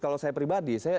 kalau saya pribadi